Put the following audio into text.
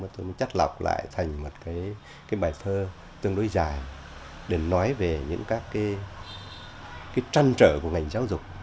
tôi chắc lọc lại thành một cái bài thơ tương đối dài để nói về những các cái tranh trở của ngành giáo dục